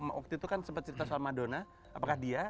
waktu itu kan sempat cerita sama madona apakah dia